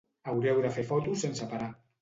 Haureu de fer fotos sense parar!